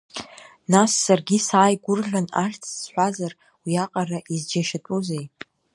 Нас саргьы сааигәырӷьан ахьӡ сҳәазар, уиаҟара изџьашьатәузеи?